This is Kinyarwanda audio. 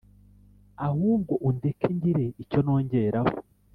ahubwo undeke ngire icyo nongeraho